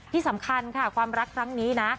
ที่สำคัญค่ะความรักครั้งนี้นะ